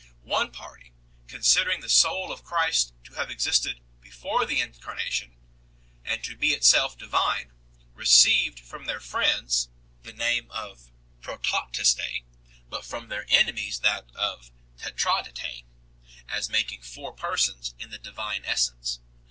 One party, considering the soul of Christ to have existed before the Incarnation and to be itself divine, received from their friends the name of Protoktistse, but from their enemies that of Tetraditye, as making four persons in the divine essence.